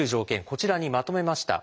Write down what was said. こちらにまとめました。